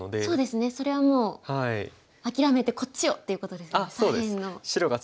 そうですねそれはもう諦めてこっちをっていうことですね左辺の。